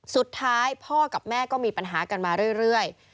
สุดท้ายพ่อกับแม่ก็มีปัญหากันมาเรื่อย